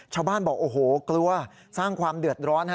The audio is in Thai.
ชาวบ้านบอกโอ้โหกลัวสร้างความเดือดร้อนฮะ